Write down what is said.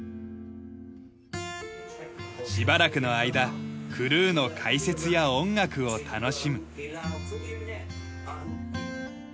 しばらくの間クルーの解説や音楽を楽しむ。